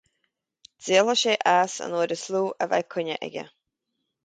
Díolfaidh sé as an uair is lú a bheidh coinne aige